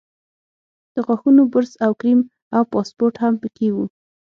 د غاښونو برس او کریم او پاسپورټ هم په کې وو.